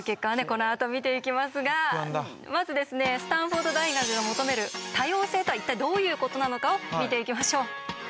このあと見ていきますがまずですねスタンフォード大学が求める多様性とは一体どういうことなのかを見ていきましょう。